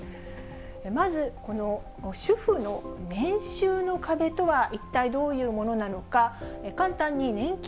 まずこの主婦の年収の壁とは一体どういうものなのか、簡単に年金